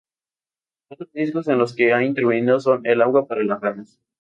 Otros discos en los que han intervenido son: "El agua para las ranas.